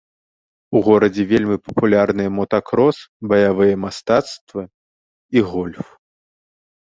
У горадзе вельмі папулярныя мотакрос, баявыя мастацтвы і гольф.